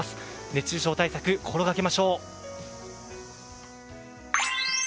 熱中症対策、心がけましょう。